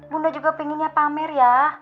bunda juga pinginnya pamer ya